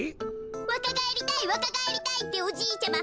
わかがえりたいわかがえりたいっておじいちゃま